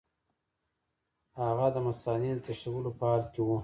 هغه د مثانې د تشولو په حال کې وو.